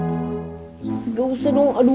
saya mau antar tes food